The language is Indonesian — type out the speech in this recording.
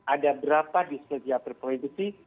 ada berapa di setiap reproduksi